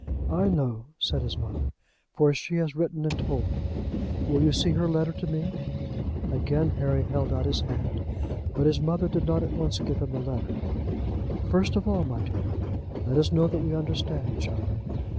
"I know," said his mother; "for she has written and told me. Will you see her letter to me?" Again Harry held out his hand, but his mother did not at once give him the letter. "First of all, my dear, let us know that we understand each other.